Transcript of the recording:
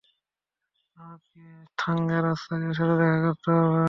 আমাকে থাঙ্গারাজ স্যারের সাথে দেখা করতে হবে।